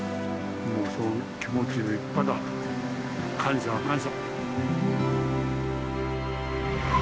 もうそういう気持ちでいっぱいだ。感謝感謝。